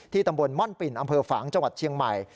ตำบลม่อนปิ่นอำเภอฝางจังหวัดเชียงใหม่